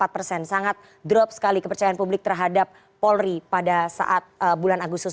empat persen sangat drop sekali kepercayaan publik terhadap polri pada saat bulan agustus